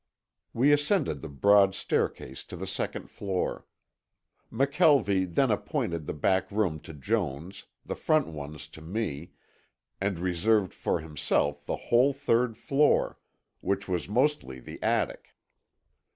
We ascended the broad staircase to the second floor. McKelvie then apportioned the back rooms to Jones, the front ones to me, and reserved for himself the whole third floor, which was mostly the attic.